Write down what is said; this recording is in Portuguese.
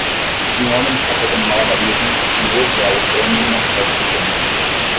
Um homem está fazendo malabarismos com duas bolas grandes e uma raquete de tênis.